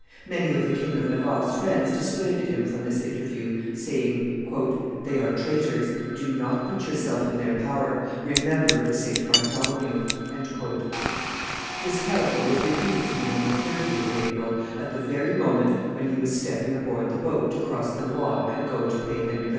Many of the King of Navarre's friends dissuaded him from this interview, saying, "They are traitors; do not put yourself in their power; remember the St. Bartholomew." This counsel was repeated to him on the 30th of April, at the very moment when he was stepping aboard the boat to cross the Loire and go to pay Henry III.